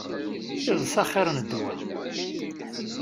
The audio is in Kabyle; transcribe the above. Iḍes axir n ddwa.